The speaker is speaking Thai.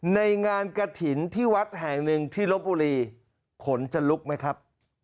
ในงานกระถิ่นที่วัดแห่งหนึ่งที่ลบบุรีขนจะลุกไหมครับ